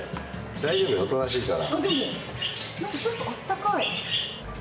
大丈夫よ、おとなしいから。